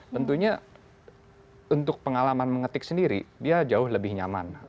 tentunya untuk pengalaman mengetik sendiri dia jauh lebih nyaman